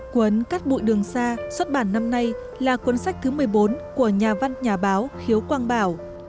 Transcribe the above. quấn cắt bụi đường xa xuất bản năm nay là cuốn sách thứ một mươi bốn của nhà văn nhà báo khiếu quang bảo